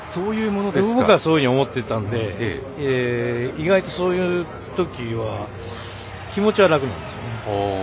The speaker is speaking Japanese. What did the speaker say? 僕はそういうふうに思っていたので意外と、そういうときは気持ちは楽なんですよね。